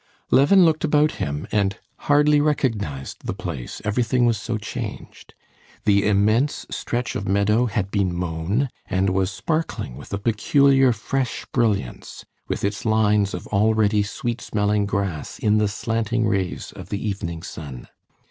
Levin looked about him and hardly recognized the place, everything was so changed. The immense stretch of meadow had been mown and was sparkling with a peculiar fresh brilliance, with its lines of already sweet smelling grass in the slanting rays of the evening sun.